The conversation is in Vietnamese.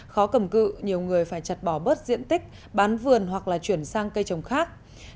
khó cầm cự nhiều người phải chặt bỏ bớt diện tích bán vườn hoặc là chuyển sang cây trồng khác